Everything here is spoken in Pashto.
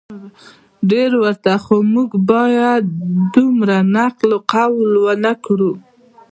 ډیر ورته خو موږ باید دومره نقل قول ونه کړو